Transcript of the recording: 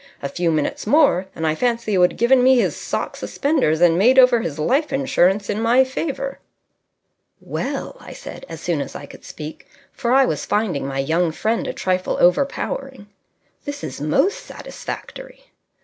A few minutes more, and I fancy he would have given me his sock suspenders and made over his life insurance in my favour." "Well," I said, as soon as I could speak, for I was finding my young friend a trifle overpowering, "this is most satisfactory."